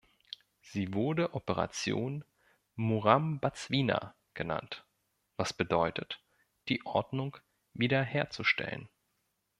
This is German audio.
Sie wurde Operation "Murambatsvina" genannt, was bedeutet, die Ordnung wiederherzustellen.